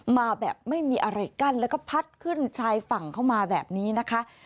มาแบบไม่มีอะไรกั้นแล้วก็พัดขึ้นชายฝั่งเข้ามาแบบนี้นะคะ